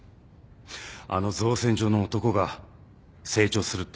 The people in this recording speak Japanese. あの造船所の男が成長するって？